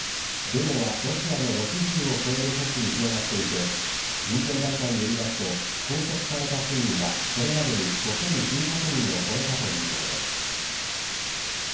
デモはロシアの６０を超える都市に広がっていて、人権団体によりますと、拘束された市民は、これまでに５９００人を超えたということです。